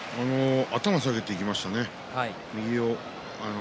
頭を下げていきましたね。